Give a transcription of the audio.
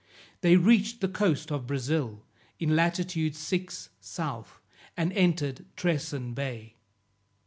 They reached the coast of Brazil, in latitude 6 south, and entered Tresson Bay.